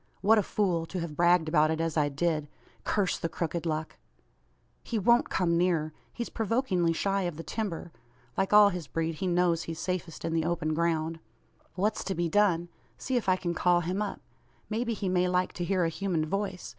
What a fool; to have bragged about it as I did! Curse the crooked luck! "He won't come nearer. He's provokingly shy of the timber. Like all his breed, he knows he's safest in the open ground. "What's to be done? See if I can call him up. May be he may like to hear a human voice.